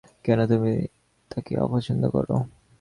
কেন তুমি তাকে অপছন্দ করো?